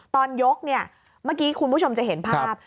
ตอนยกเนี่ยเมื่อกี้คุณผู้ชมจะเห็นภาพ